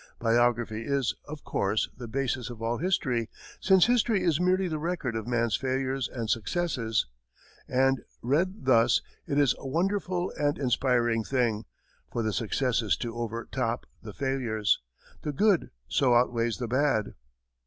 Biography is, of course, the basis of all history, since history is merely the record of man's failures and successes; and, read thus, it is a wonderful and inspiring thing, for the successes so overtop the failures, the good so out weighs the bad.